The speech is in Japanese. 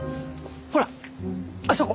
ほらあそこ。